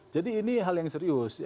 jadi ini hal yang serius